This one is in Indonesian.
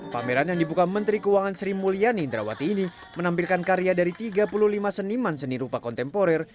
pameran yang dibuka menteri keuangan sri mulyani indrawati ini menampilkan karya dari tiga puluh lima seniman seni rupa kontemporer